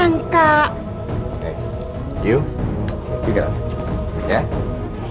mungkin itu salah satu